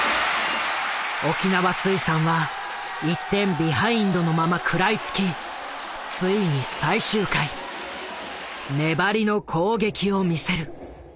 沖縄水産は１点ビハインドのまま食らいつきついに最終回粘りの攻撃を見せる。